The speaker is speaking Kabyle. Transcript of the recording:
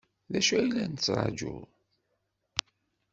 D acu ay la nettṛaju?